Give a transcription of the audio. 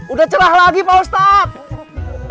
udah cerah lagi pak ustadz